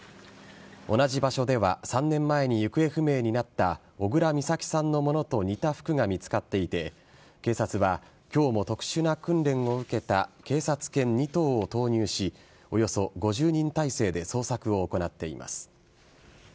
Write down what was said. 同じ場所では３年前に行方不明になった小倉美咲さんのものと似た服が見つかっていて警察は今日も特殊な訓練を受けた警察犬２頭を投入しおよそ５０人態勢で捜索を行っています。